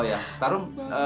oh ya tarun